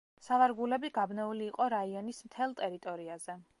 სავარგულები გაბნეული იყო რაიონის მთელ ტერიტორიაზე.